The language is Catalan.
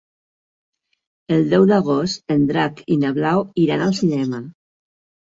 El deu d'agost en Drac i na Blau iran al cinema.